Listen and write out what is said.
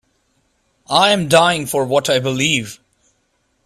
I'm dying for what I believe.